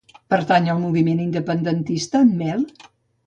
Pertany al moviment independentista el Mel?